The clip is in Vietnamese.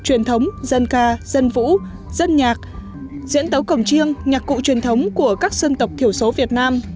truyền thống dân ca dân vũ dân nhạc diễn tấu cổng chiêng nhạc cụ truyền thống của các dân tộc thiểu số việt nam